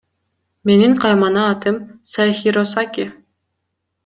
Менин каймана атым Сайхиросаки.